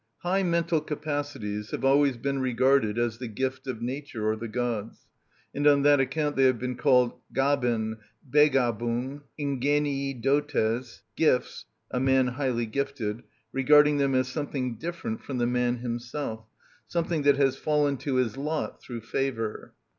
High mental capacities have always been regarded as the gift of nature or the gods; and on that account they have been called Gaben, Begabung, ingenii dotes, gifts (a man highly gifted), regarding them as something different from the man himself, something that has fallen to his lot through favour.